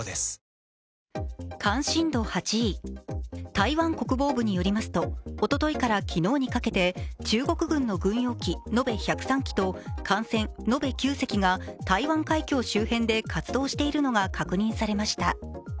台湾国防部によりますとおとといから昨日にかけて中国軍の軍用機延べ１０３機と艦船延べ９隻が台湾海峡周辺で活動しているのが分かりました。